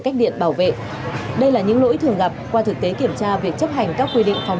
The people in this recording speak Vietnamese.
cách điện bảo vệ đây là những lỗi thường gặp qua thực tế kiểm tra việc chấp hành các quy định phòng